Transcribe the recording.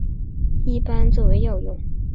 一般作为药用。